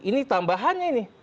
ini tambahannya ini